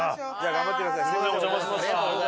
頑張ってください！